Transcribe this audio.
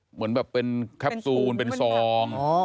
เหมือนแบบเป็นแคปซูลเป็นซอง